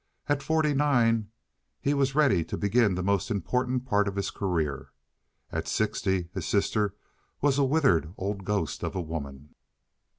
At forty nine he was ready to begin the most important part of his career. At sixty his sister was a withered old ghost of a woman.